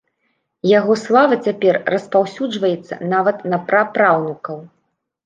Яго слава цяпер распаўсюджваецца нават на прапраўнукаў.